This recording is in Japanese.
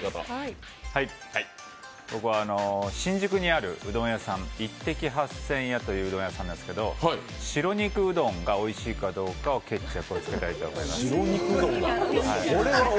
僕は新宿にあるうどん屋さん一滴八銭屋といううどん屋さんなんですけど白肉うどんがおいしいかどうか決着をつけたいと思います。